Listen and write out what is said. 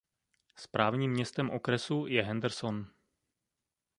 Správním městem okresu je Henderson.